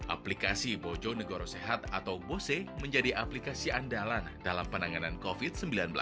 aplikasi bojonegoro sehat atau bose menjadi aplikasi andalan dalam penanganan covid sembilan belas